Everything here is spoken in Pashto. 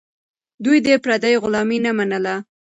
دوی د پردیو غلامي نه منله.